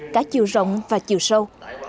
cả chiều rộng và chiều sâu